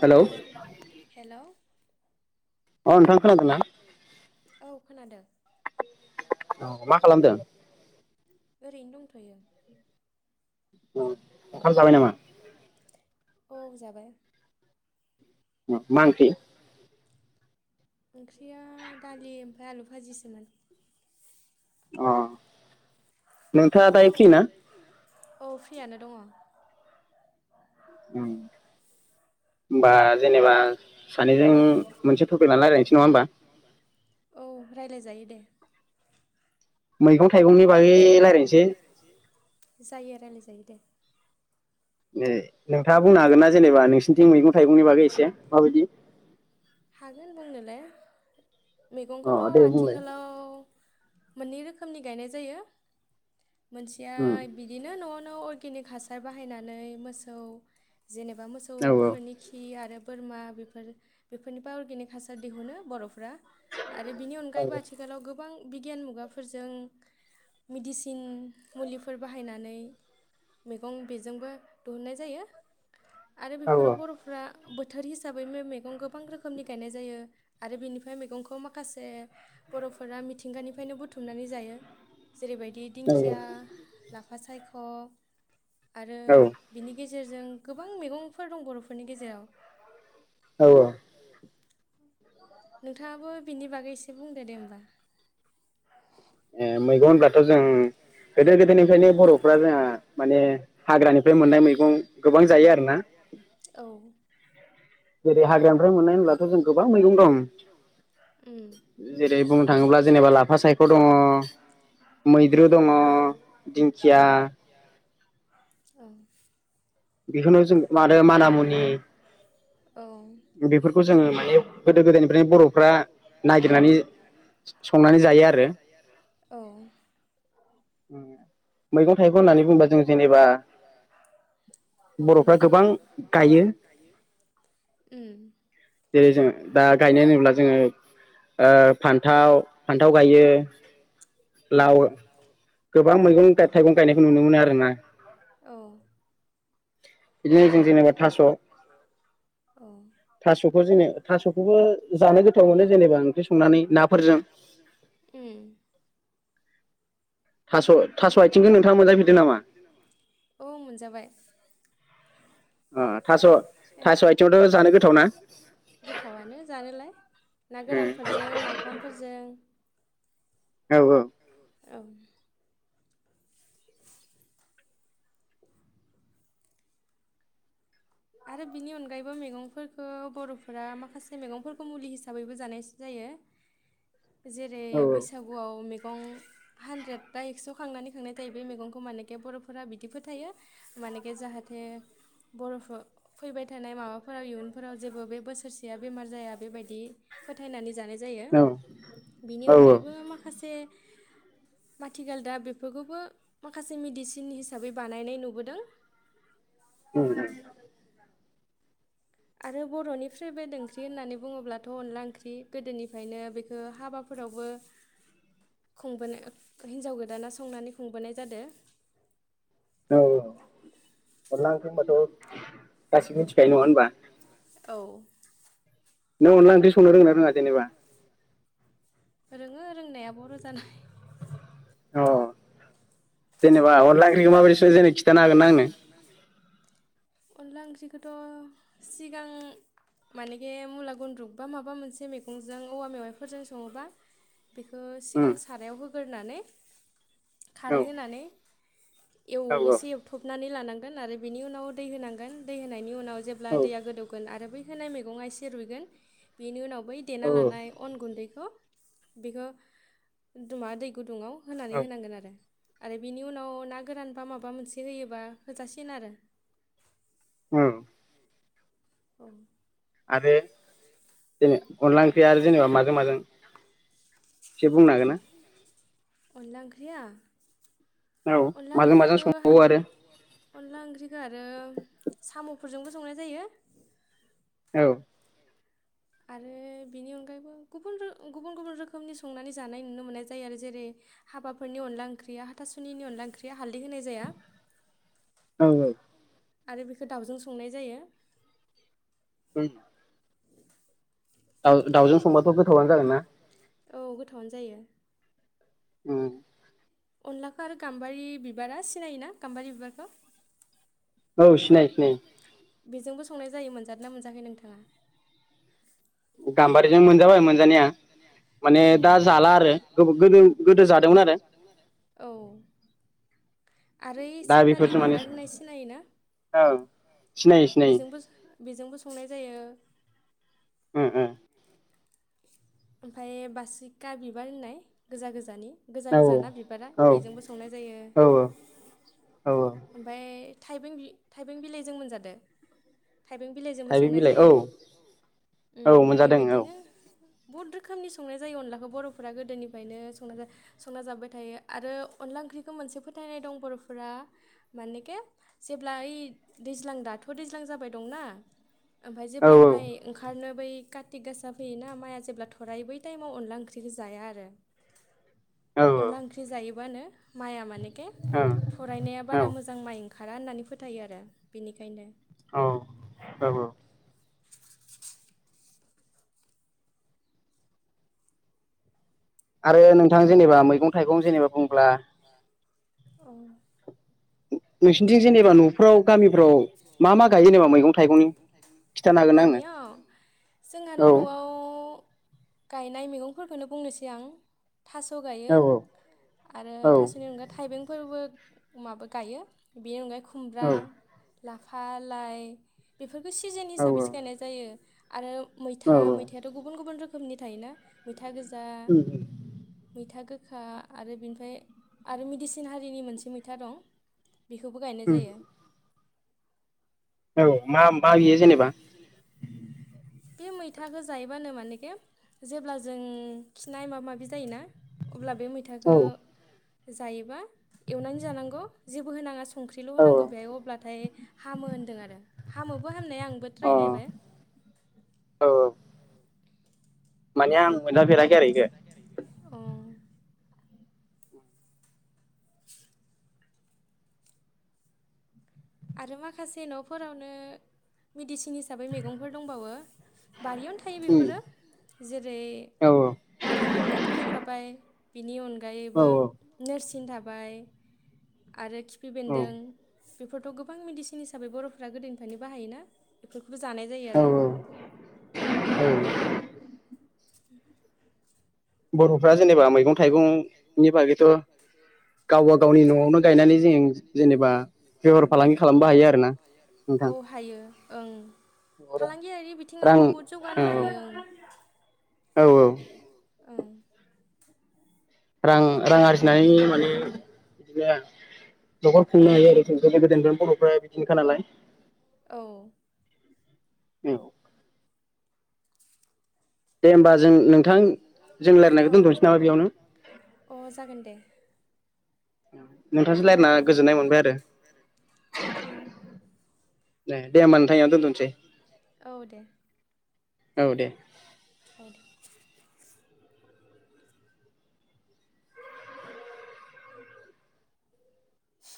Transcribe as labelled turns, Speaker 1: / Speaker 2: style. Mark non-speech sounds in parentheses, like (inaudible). Speaker 1: Hello.
Speaker 2: Hello.
Speaker 1: नोंथां खोनादोंना
Speaker 2: (unintelligible) औ खोनादों।
Speaker 1: औ मा खालामदों?
Speaker 2: ओरैनो दंथयो।
Speaker 1: उम, ओंखाम जाबाय नामा?
Speaker 2: औ जाबाय।
Speaker 1: उम। मा ओंख्रि?
Speaker 2: ओंख्रिया दालि ओमफ्राय आलु बाजिसोमोन।
Speaker 1: अह नोंथाङा दायो फ्रिना?
Speaker 2: औ फ्रियानो दङ।
Speaker 1: उम होमबा जेनोबा सानैजों मोनसे टपिक लाना रायज्लायनोसै नङा होमबा
Speaker 2: औ रायलाय जायो, दे।
Speaker 1: मैगं थाइगंनि बागै रायलायनोसै।
Speaker 2: जायो रायलायजायो दे
Speaker 1: जेरै नों थाङा बुंनो हागोन ना जेनेबा नोंसिनिथिं मैगं थाइगंनि बागै एसे मा बायदि?
Speaker 2: हागोन बुंनोलाय मैगंखौथ'
Speaker 1: बुंलाय
Speaker 2: आथिखालाव मोननै रोखोमनि गायनाय जायो। मोनसेया
Speaker 1: उम
Speaker 2: बिदिनो न'आवनो अर गेनिक हासार बाहायनानै मोसौ जेनोबा
Speaker 1: औ
Speaker 2: मोसौफोरनि खि आरो बोरमा बेफोर बेफोरनिफ्राय अरगेनिक हासार दिहुनो बर'फ्रा आरो बिनि
Speaker 1: औ
Speaker 2: अनगायैबो आथिखालाव गोब बां बिगियान मुगाफोरजों मेडिसिन मुलिफोर बाहायनानै मैगं बेजोंबो दुहुननाय जायो आरो बेफोराव
Speaker 1: औ
Speaker 2: बर'फ्रा बोथोर हिसाबै मै मैगं गोबां रोखोमनि गायनाय जायो आरो बिनिफाय मैगंखौ माखासे बर'फोरा मिथिंगानिफायनो बुथुमनानै जायो। जेरैबायदि दिंखिया ला फासायख' आरो
Speaker 1: औ
Speaker 2: बिनि गेज जेरजों गोबां मेगंफोर दं बर'फोरनि गेजेव।
Speaker 1: औ-औ।
Speaker 2: नोंथाङाबो बिनि बागै एसे बुंदो दे होमबा।
Speaker 1: ए मैगं होनब्लाथ' जों गोदो-गोदायनिफ्रायनो बर'फ्रा जोंहा माने हाग्रानिफाय मोननाय मैगं गोबां जायो आरो ना।
Speaker 2: औ
Speaker 1: जे हाग्रानिफ्राय मोननाय होनोबब्लाथ' जों गोबां मैगं दं
Speaker 2: उम
Speaker 1: जेरै- बुंनो थाङोब्ला जेनेबा लाफा सायख' दङ
Speaker 2: औ
Speaker 1: मैद्रु दङ
Speaker 2: औ
Speaker 1: दिंखिया
Speaker 2: औ।
Speaker 1: बेखौनो जों मादो माना मुनि
Speaker 2: औ
Speaker 1: बेफोरखौ जोङो माने गोदो गोदायनिफ्रायनो बर'फ्रा नागिरनानै संनानै जायो आरो।
Speaker 2: औ
Speaker 1: उम। मैगं थाइगं होननानै बुंबा जों जेनेबा बर'फ्रा गोबां गायो
Speaker 2: उम
Speaker 1: जेरै- जों दा गायनाय होनोब्ला जोङो ओ फान्थाव फान्थाव गायो
Speaker 2: औ
Speaker 1: लाव गोबां मैगं थायफ थाइगं गायनाय नुनो मोनो आरोना।
Speaker 2: औ
Speaker 1: बिदिनो जों जेनेबा थास'
Speaker 2: औ
Speaker 1: थास'खौ जोङो थास'खौबो जानो गोथाव मोनो जेनेबा ओंख्रि संनानै नाफोरजों
Speaker 2: उम।
Speaker 1: थास' थास' आथिंखौ नोंथाङा मोनजाफेरदों नामा
Speaker 2: औ मोनजाबाय।
Speaker 1: अ थास' थास' आथिंआवथ' जानो गोथाव ना
Speaker 2: गोथावनो जानोलाय ना गोरानफोरजों नाफामफोरजों।
Speaker 1: औ
Speaker 2: औ। आरो बिनि अनगायैबो मैगंफोरखौ बर'फोरा माखासे मैगंफोरखौ मुलि हिसाबैबो जानायसो जायो।
Speaker 1: औ
Speaker 2: जेरै- बैसागुआव मेख गं हानद्रेद बा एक्स' खांनानै खांनाय जायो बे मैगंखौ मानेके बर'फोरा बिदिफोर थायो मानेखे जाहाथे बर'फो फैबाय थानाय माबाफोराव इयुनफोराव जेबो बे बोसोरसेया बेमार जाया बेबायदि फोथायनानै जानाय जायो बिनि
Speaker 1: औ
Speaker 2: अनगायैबो माखासे माथिखाल दा बेफोगोबो माखासे मेडिसिन हिसाबै बानायनाय नुबोदों।
Speaker 1: उम-उम।
Speaker 2: आरो बर'नि फ्रेबेद ओंख्रि होननानै बुङोब्लाथ' अनला ओंख्रि गोदोनिफायनो बेखो हाबाफोरावबो खुंबोनो हिनजाव गोदाना संनानै खुंबोनाय जादो।
Speaker 1: औ अनला ओंख्रि होनबाथ' गासिबो मिथिखायो नङा होनबा।
Speaker 2: औ।
Speaker 1: नों अन्ला ओंख्रि संनो रोंनो रोङा जेनेबा?
Speaker 2: रोङो रोंनाया बर' जानाय
Speaker 1: अ जेनेबा अनला ख्रिखौ माबोरै सु जेनै खिथानो हागोना आंनो?
Speaker 2: अनला ओंख्रिखोथ' सिगां मानेगे मुला गुन्द्रुुब बा माबा मोनसे मैगंजों औवा मेवाइफोरजों सङोबा बेखौ
Speaker 1: उम
Speaker 2: सिगां सारायाव होग्रोनानै
Speaker 1: औ
Speaker 2: खारै होनानै एवो
Speaker 1: औ औ
Speaker 2: एसे एवथबनानै लानांगोन आरो बिनि उनाव दै होनांगोन दै होनायनि उनाव जेब्ला
Speaker 1: औ
Speaker 2: दैया गोदौगोन आरो बै होनाय मैगङा एसे रुइगोन बेनि उनाव बै देना
Speaker 1: औ
Speaker 2: लानाय अन गुन्दैखौ बेखौ मा दै गुदुङाव होनानै
Speaker 1: औ
Speaker 2: होनांगोन आरो आरो बेनि उनाव ना गोरान बा मा मोनसे होयोबा होजासिन आरो।
Speaker 1: औ
Speaker 2: औ।
Speaker 1: आरो जे अनला ओंख्रिया आरो जेनेबा माजों माजों एसे बुंनो हागोन ना?
Speaker 2: अनला ओंख्रिया?
Speaker 1: औ
Speaker 2: अनला
Speaker 1: माजों माजों
Speaker 2: ओंख्रिखो हा
Speaker 1: संबावो आरो
Speaker 2: अनला ओंख्रिखो आरो साम' फोरजोंबो संनाय जायो।
Speaker 1: औ।
Speaker 2: आरो बिनि अनगायैबो गुबुन रो गुबुन गुबुन रोखोमनि संनानै जानाय नुनो मोननाय जायो आरो जेरै हाबाफोरनि अनला ओंख्रिया हाथासुनिनि अनला ओंख्रिया हालदै होनाय जाया।
Speaker 1: औ औ।
Speaker 2: आरो बेखौ दाउजों संनाय जायो।
Speaker 1: (inaudible) दाउ दाउजों संबाथ' गोथावानो जागोन ना?
Speaker 2: औ गोथावानो जायो।
Speaker 1: उम।
Speaker 2: अनलाखौ आरो गाम्बारि बिबारा सिनायोना गाम्बारि बिबारखौ?
Speaker 1: औ सिनायो सिनायो।
Speaker 2: बेजोंबो संनाय जायो मोनजादों ना मोनजाखै नोंथाङा?
Speaker 1: गाम्बारिजों मोनजाबाय मोनजानाया माने
Speaker 2: औ
Speaker 1: दा जाला आरो गोद गोदो जादोंमोन आरो।
Speaker 2: औ आरो ओइ
Speaker 1: दा
Speaker 2: सेपालि
Speaker 1: बेफोरजों माने
Speaker 2: बिबार होननाय सिनायो ना
Speaker 1: औ सिनायो सिनायो
Speaker 2: बेजोंबो बेजोंबो संनाय जायो।
Speaker 1: उम उम।
Speaker 2: ओमफ्राय बासिका बिबार होननाय गोजा गोजानि गोजा गोजा ना बिबारा
Speaker 1: औ
Speaker 2: इजोंबो संनाय जायो।
Speaker 1: औ औ औ
Speaker 2: ओमफाय थाइबें थाइबें बिलाइजों मोनजादो? थाइबें बिलाइजोंबो
Speaker 1: थाइबें
Speaker 2: संनाय
Speaker 1: बिलाइ औ
Speaker 2: जायो उम
Speaker 1: औ मोनजादों औ
Speaker 2: बेबायदिनो बहुत रोखोमनि संनाय जायो अनलाखौ बर'फोरा गोदोनिफ्रायनो संना संना जाब्बाय थायो आरो अनला ओंख्रिखौ मोनसे फोथायनाय दं बर'फोरा मानेके जेब्ला ओइ दैज्लां दाथ' दैज्लां जाबाय दंना ओमफाय
Speaker 1: औ
Speaker 2: जेब्ला माइ ओंखारनो बै कार्तिक गासा फैयोना माइया जेब्ला थरायो बै टाइमाव अनला ओंख्रिखौ जाया आरो।
Speaker 1: औ
Speaker 2: अनला ओंख्रि जायोबानो माइया मानेके थरायनाया
Speaker 1: औ
Speaker 2: बारा मोजां माइ ओंखारा होननानै फोथायो आरो बेनिखायनो
Speaker 1: औ औ औ आरो नोंथां जेनेबा मैगं थाइगं जेनेबा बुंब्ला
Speaker 2: औ
Speaker 1: नोंसिनिथिं जेनेबा न'फ्राव गामिफ्राव मा मा गायो जेनेबा मैगं थाइगंनि खिथानो हागोन आंनो
Speaker 2: गामियाव जोंहानो
Speaker 1: औ
Speaker 2: नआव गायनाय मैगंफोरखौनो बुंनोसै आं थास गायो
Speaker 1: औ
Speaker 2: आरो
Speaker 1: औ
Speaker 2: थासनि अनगा थाइबेंफोरबो अमाबो गायो बेनि अनगायै खुमब्रा
Speaker 1: औ
Speaker 2: लाफा लाइ बेफोर बेफोरखौ सिजोन
Speaker 1: औ
Speaker 2: हिसाबैसो गायनाय जायो आरो
Speaker 1: औ
Speaker 2: मैथा
Speaker 1: औ
Speaker 2: मैथायाथ गुबुन गुबुन रोखोम रोखोमनि थायोना मैथा गोजा
Speaker 1: उम उम
Speaker 2: मैथा गोखा आरो बेनिफ्राय आरो मेदिसिन हारिनि मोनसे मैथा दं बेखौबो गायनाय
Speaker 1: उम
Speaker 2: जायो
Speaker 1: अ माम मा बियो जेनेबा
Speaker 2: बे मैथाखौ जायोबानो मानेखे जेब्ला जों खिनाय माबा माबि जायोना अब्ला बे मैथाखो
Speaker 1: औ औ
Speaker 2: जायोबा एवनानै जानांगौ जेबो होनाङा संख्रिल
Speaker 1: औ
Speaker 2: होनांगौ
Speaker 1: अ
Speaker 2: बेयाव अब्लाथाय हामो होन्दों आरो हामोबबो फामनाय आंबो ट्राइ नायबाय
Speaker 1: औ औ माने आं मोनजा फेराखै आरो इखो
Speaker 2: अ आरो माखासे नफोरावनो मदिसिन सिन हिसाबै मैगंफोर दंबावो बारियावनो थायो
Speaker 1: उम
Speaker 2: बेफोरो जेरै
Speaker 1: औ औ
Speaker 2: माना मुनियाथ थाखाबाय बिनि उनगा अनगायैबो नोरसिन थाबा लाय आरो खिफ खिफि
Speaker 1: औ
Speaker 2: बेन्दों बेखौथ' गोबां मेदेसिन हिसाबै बर'फोरा गोदोनिफ्रायनो बाहायोना बेफोर खौ जानाय जायो
Speaker 1: औ
Speaker 2: आरो। उ
Speaker 1: बर' फ्रा गावबा गावनि न'आवनो गायनानै जों जेनेबा बेफार फालांगि
Speaker 2: औ
Speaker 1: खालामनो हायो आरोना
Speaker 2: औ
Speaker 1: नोंथां
Speaker 2: हायो ओं फालांगियारि
Speaker 1: रां
Speaker 2: बिथिङावबो बहुत जौगानो
Speaker 1: औ औ
Speaker 2: हायो ओं
Speaker 1: औ औ
Speaker 2: ओम
Speaker 1: रां रां आरजि नायनि माने (unintelligible) न'खर खुंनो
Speaker 2: ओं
Speaker 1: हायो आरो बे गोदो गोदो बर'फ्रा (unintelligible) नालाय
Speaker 2: औ
Speaker 1: औ दे होमबा जों नोंथां जों रायलायनायखौ दोनथ'नोसै नामा बेयावनो
Speaker 2: औ अ जागोन दे।
Speaker 1: औ
Speaker 2: ओम थेंक इउ
Speaker 1: दे दे होमबा नोंथां इयावनो दोन्थ'सै
Speaker 2: औ दे
Speaker 1: औ दे।
Speaker 2: औ सि